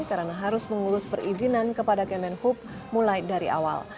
karena harus mengulus perizinan kepada kemenhub mulai dari awal